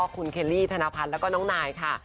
คุณเคลลี่ธนพัฒน์แล้วก็น้องนายค่ะ